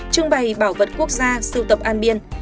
trưng bày bảo vật quốc gia sưu tập an biên